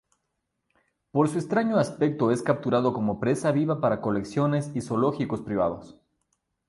Por su extraño aspecto es capturado como presa viva para colecciones y zoológicos privados.